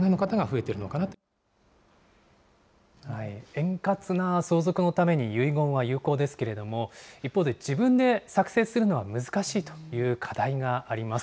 円滑な相続のために遺言は有効ですけれども、一方で自分で作成するのは難しいという課題があります。